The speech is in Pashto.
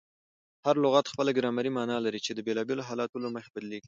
هر لغت خپله ګرامري مانا لري، چي د بېلابېلو حالتونو له مخه بدلېږي.